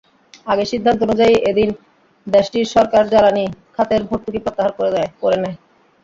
আগের সিদ্ধান্ত অনুযায়ী এদিন দেশটির সরকার জ্বালানি খাতের ভর্তুকি প্রত্যাহার করে নেয়।